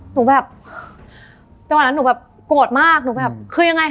หนูแบบตอนนั้นหนูแบบโหดมากหนูแบบแค่ยังไง